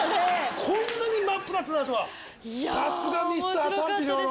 こんなに真っ二つになるとはさすがミスター賛否両論！